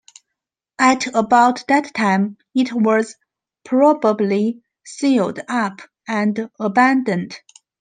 At about that time it was probably sealed up and abandoned.